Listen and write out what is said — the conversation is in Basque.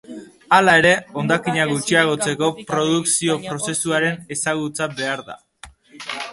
Hala ere, hondakinak gutxiagotzeko, produkzio-prozesuaren ezagutza behar da.